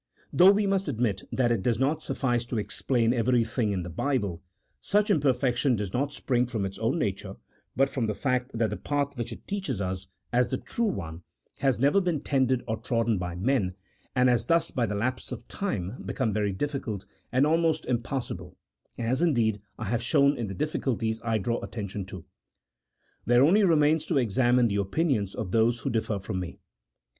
Though we must admit that it does not suffice to explain everything in the Bible, such imper fection does not spring from its own nature, but from the fact that the path which it teaches us, as the true one, has i 114 A THEOLOGICO POLITICAL TREATISE. [CHAP. VII. never been tended or trodden by men, and lias thus, by the lapse of time, become veiy difficult, and almost impass able, as, indeed, I have shown in the difficulties I draw attention to. There only remains to examine the opinions of those who differ from me.